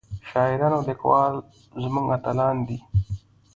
شاعران او ليکوال زمونږ اتلان دي